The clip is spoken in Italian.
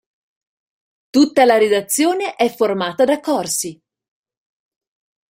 Tutta la redazione è formata da còrsi.